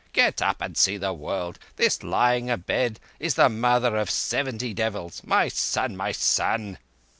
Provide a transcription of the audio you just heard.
Get up and see the world! This lying abed is the mother of seventy devils ... my son! my son!"